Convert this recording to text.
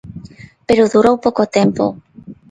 Pero durou pouco tempo.